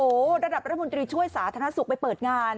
โอ้โหระดับรัฐมนตรีช่วยสาธารณสุขไปเปิดงาน